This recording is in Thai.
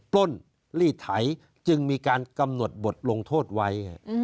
ปล้นลีดไถจึงมีการกำหนดบทลงโทษไว้